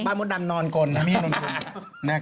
บ้านมดนำนอนกุ้มนี่นอนกุ้มนะครับ